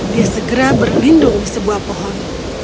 dia segera berlindung di sebuah pohon